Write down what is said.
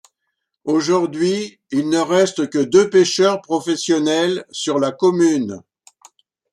Aujourd'hui, il ne reste que deux pêcheurs professionnels sur la commune.